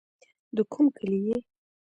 د کوم کلي يې.